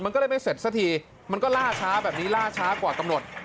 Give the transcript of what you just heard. มันก็เลยไม่เสร็จสักทีมันก็ล่าช้าแบบนี้ล่าช้ากว่ากำหนด